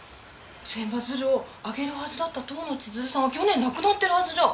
千羽鶴をあげるはずだった遠野千鶴さんは去年亡くなってるはずじゃ。